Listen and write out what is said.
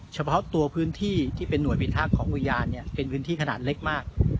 เฉพาะตัวพื้นที่ที่เป็นหน่วยพิทักษ์ของอุทยานเนี่ยเป็นพื้นที่ขนาดเล็กมาก